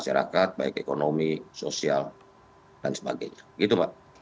masyarakat baik ekonomi sosial dan sebagainya gitu pak